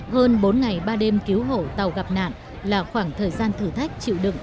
hơn bốn ngày ba đêm cứu hộ tàu gặp nạn là khoảng thời gian thử thách chịu đựng